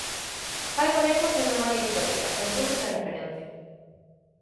fai bonecos sen memoria histórica, sen puntos de referencia;